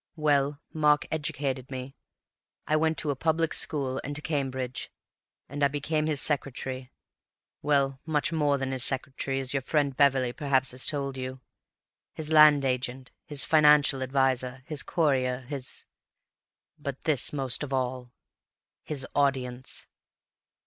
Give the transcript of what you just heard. "Well, Mark educated me. I went to a public school and to Cambridge, and I became his secretary. Well, much more than his secretary as your friend Beverley perhaps has told you: his land agent, his financial adviser, his courier, his—but this most of all—his audience.